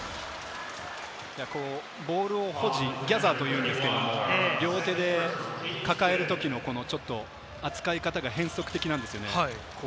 ボールを保持、ギャザーというんですけれど、両手で抱えるときの扱い方が変則的なんです。